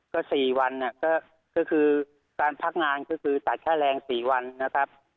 ก็สี่วันก็คือการพักงานคือตัดแค่แรงสี่วันนะครับ